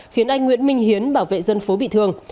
khiến anh nguyễn minh hiến bảo vệ dân phố bị thương